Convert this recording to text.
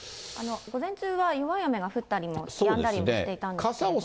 午前中は弱い雨が降ったりやんだりもしていたんですけれども。